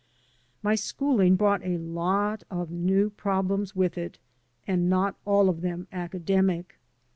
My schooling brought a lot of new problems with it, and not all of them academic.